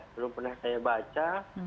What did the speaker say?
belum pernah saya baca